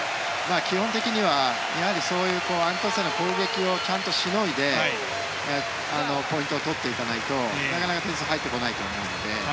基本的にはアントンセンの攻撃をちゃんとしのいでポイントを取っていかないとなかなか点数は入ってこないと思うので。